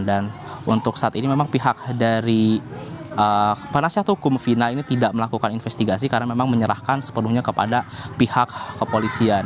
dan untuk saat ini memang pihak dari penasihat hukum vina ini tidak melakukan investigasi karena memang menyerahkan sepenuhnya kepada pihak kepolisian